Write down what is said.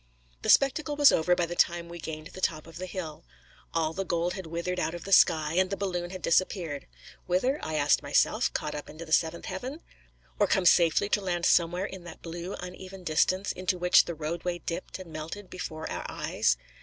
The spectacle was over by the time we gained the top of the hill. All the gold had withered out of the sky, and the balloon had disappeared. Whither? I ask myself; caught up into the seventh heaven? or come safely to land somewhere in that blue uneven distance, into which the roadway dipped and melted before our eyes?